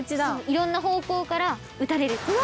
いろんな方向から撃たれるっていう。